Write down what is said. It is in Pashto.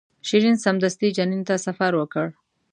شیرین سمدستي جنین ته سفر وکړ.